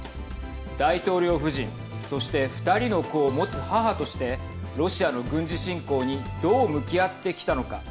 大統領夫人そして２人の子を持つ母としてロシアの軍事侵攻にどう向き合ってきたのか。